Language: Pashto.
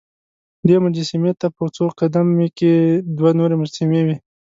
دې مجسمې ته په څو قد مې کې دوه نورې مجسمې وې.